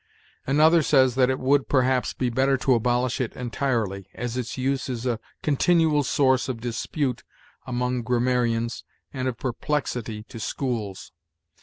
Another says that it would, perhaps, be better to abolish it entirely, as its use is a continual source of dispute among grammarians and of perplexity to schools.